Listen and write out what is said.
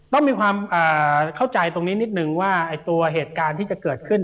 ต้องมีความเข้าใจตรงนี้นิดนึงว่าตัวเหตุการณ์ที่จะเกิดขึ้น